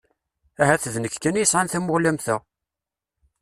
Ahat d nekk kan i yesɛan tamuɣli am ta?